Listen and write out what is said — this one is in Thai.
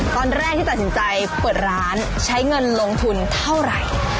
ตอนแรกที่ตัดสินใจเปิดร้านใช้เงินลงทุนเท่าไหร่